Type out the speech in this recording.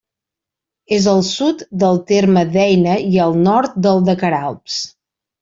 És al sud del terme d'Eina i al nord del de Queralbs.